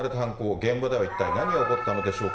現場では一体何が起こったのでしょうか。